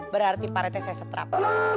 berarti para etek saya setrap